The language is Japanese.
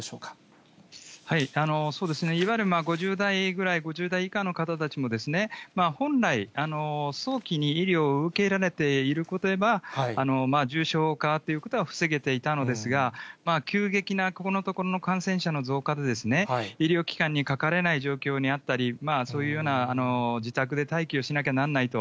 そうですね、いわゆる５０代ぐらい、５０代以下の方たちも、本来、早期に医療を受けられていれば、重症化ということは防げていたのですが、急激なここのところの感染者の増加で、医療機関にかかれない状況にあったり、そういうような自宅で待機をしなきゃなんないと。